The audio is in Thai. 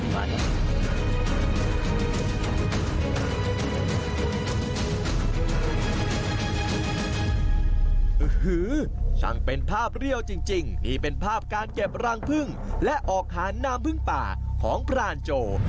ช่างเป็นภาพเรี่ยวจริงนี่เป็นภาพการเก็บรังพึ่งและออกหาน้ำพึ่งป่าของพรานโจ